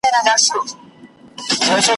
پر کنډوالو به دي ښارونه کړو ودان وطنه ,